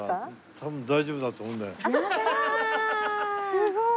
すごい！